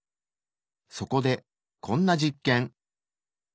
そこでこんな実験。